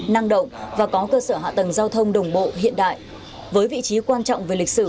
năng động và có cơ sở hạ tầng giao thông đồng bộ hiện đại với vị trí quan trọng về lịch sử